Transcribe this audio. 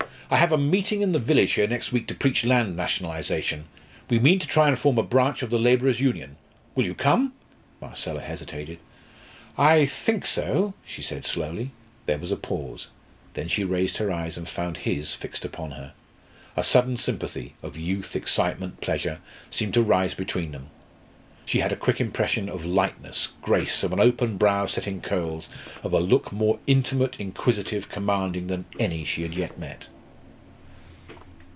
I have a meeting in the village here next week to preach land nationalisation. We mean to try and form a branch of the Labourers' Union. Will you come?" Marcella hesitated. "I think so," she said slowly. There was a pause. Then she raised her eyes and found his fixed upon her. A sudden sympathy of youth, excitement, pleasure seemed to rise between them. She had a quick impression of lightness, grace; of an open brow set in curls; of a look more intimate, inquisitive, commanding, than any she had yet met.